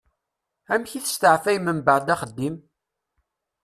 Amek i testeεfayem mbeεd axeddim?